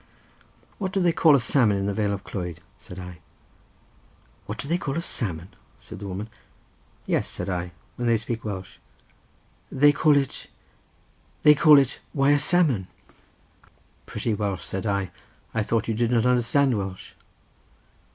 "What do they call a salmon in the vale of Clwyd?" said I. "What do they call a salmon?" said the woman. "Yes," said I, "when they speak Welsh." "They call it—they call it—why a salmon." "Pretty Welsh!" said I. "I thought you did not understand Welsh."